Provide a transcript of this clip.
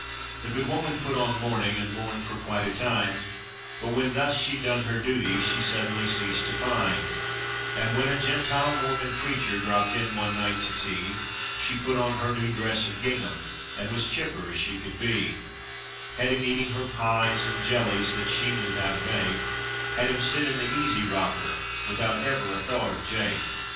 The good woman put on mourning and mourned for quite a time, But when thus she'd done her duty, she suddenly ceased to pine, And when a Gentile Mormon preacher dropped in one night to tea She put on her new dress of gingham and was chipper as she could be; Had him eating her pies and jellies that she knew how to make, Had him sit in the easy rocker, without ever a thought of Jake.